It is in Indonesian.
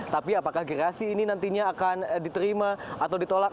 tapi apakah gerasi ini nantinya akan diterima atau ditolak